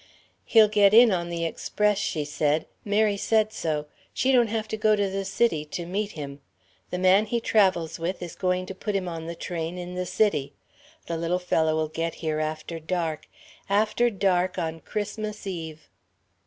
"He'll get in on the express," she said; "Mary said so. She don't have to go to the City to meet him. The man he travels with is going to put him on the train in the City. The little fellow'll get here after dark. After dark on Christmas Eve."